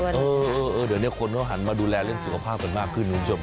เดี๋ยวนี้คนเขาหันมาดูแลเรื่องสุขภาพกันมากขึ้นคุณผู้ชม